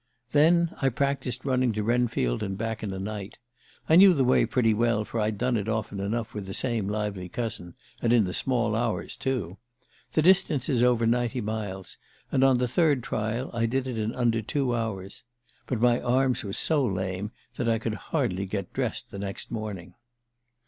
Then I practiced running to Wrenfield and back in a night. I knew the way pretty well, for I'd done it often with the same lively cousin and in the small hours, too. The distance is over ninety miles, and on the third trial I did it under two hours. But my arms were so lame that I could hardly get dressed the next morning...